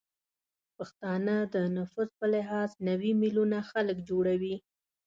پښتانه د نفوس به لحاظ نوې میلیونه خلک جوړوي